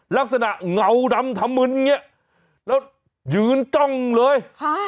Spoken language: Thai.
ลักษณะเหงาดำทำมืนอย่างเงี้ยแล้วยืนจ้องเลยฮะ